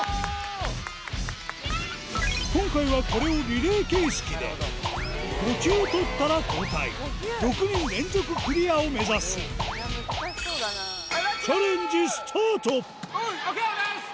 今回はこれをリレー形式で５球取ったら交代６人連続クリアを目指すチャレンジスタートＯＫナイス！